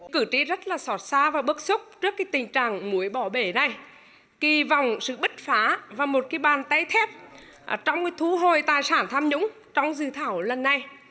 cử tri rất là sọt xa và bức xúc trước cái tình trạng mối bỏ bể này kỳ vọng sự bất phá và một cái bàn tay thép trong thu hồi tài sản tham nhũng trong dự thảo lần này